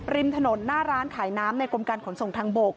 ริมถนนหน้าร้านขายน้ำในกรมการขนส่งทางบก